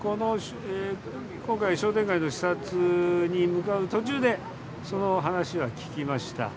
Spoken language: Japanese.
今回、商店街の視察に向かう途中でその話は聞きました。